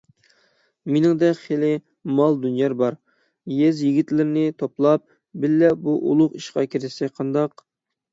مېنىڭدە خېلى مال - دۇنيا بار، يېزا يىگىتلىرىنى توپلاپ، بىللە بۇ ئۇلۇغ ئىشقا كىرىشسەك قانداق؟